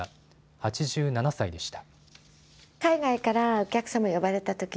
８７歳でした。